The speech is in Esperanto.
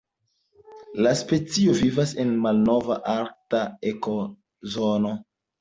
La specio vivas en la Malnov-Arkta ekozono.